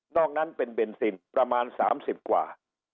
อกนั้นเป็นเบนซินประมาณ๓๐กว่า